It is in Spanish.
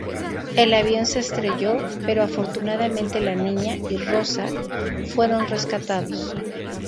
El avión se estrelló, pero afortunadamente la niña y Rosa fueron rescatados.